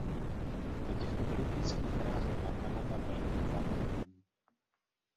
Na těchto olympijských hrách byla Kanada velkým favoritem.